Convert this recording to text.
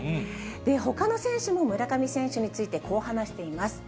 ほかの選手も村上選手について、こう話しています。